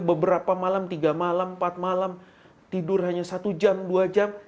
beberapa malam tiga malam empat malam tidur hanya satu jam dua jam